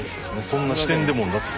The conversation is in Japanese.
そんな視点でも皆さん